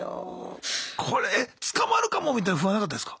これえ捕まるかもみたいな不安なかったですか？